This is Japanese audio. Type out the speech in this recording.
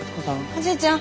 おじいちゃん。